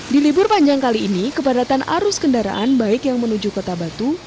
di libur panjang kali ini kepadatan arus kendaraan baik yang menuju kota batu